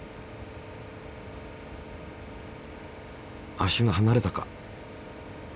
足がはなれたか？